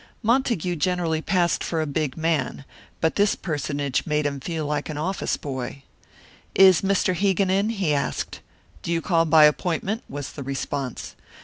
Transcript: Montague generally passed for a big man, but this personage made him feel like an office boy. "Is Mr. Hegan in?" he asked. "Do you call by appointment?" was the response.